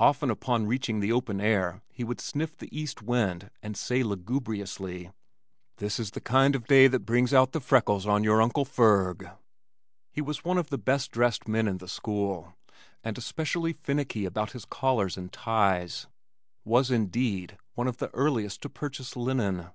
Often upon reaching the open air he would sniff the east wind and say lugubriously, "This is the kind of day that brings out the freckles on your Uncle Ferg." He was one of the best dressed men in the school, and especially finicky about his collars and ties, was, indeed, one of the earliest to purchase linen.